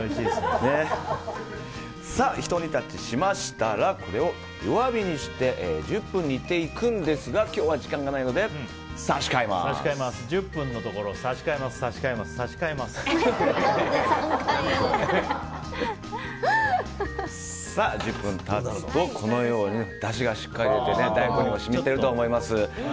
ひと煮立ちしましたらこれを弱火にして１０分煮ていくんですが今日は時間がないので１０分のところ差し替えます１０分経つとこのように、だしがしっかり出て大根にも染みてると思います。